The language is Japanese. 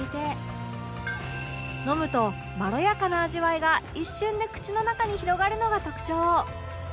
飲むとまろやかな味わいが一瞬で口の中に広がるのが特徴